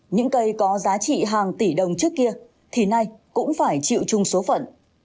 những cây có giá trị hàng tỷ đồng trước kia thì nay cũng phải chịu chung số phận